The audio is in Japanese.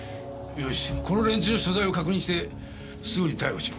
よしこの連中の所在を確認してすぐに逮捕しろ。